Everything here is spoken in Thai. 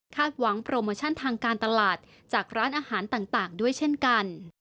หวังโปรโมชั่นทางการตลาดจากร้านอาหารต่างด้วยเช่นกัน